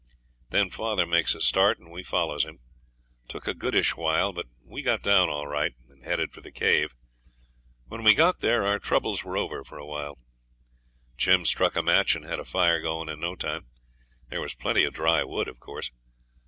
Then father makes a start, and we follows him; took a goodish while, but we got down all right, and headed for the cave. When we got there our troubles were over for a while. Jim struck a match and had a fire going in no time; there was plenty of dry wood, of course.